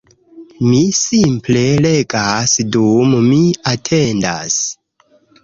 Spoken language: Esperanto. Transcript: Mi simple legas dum mi atendas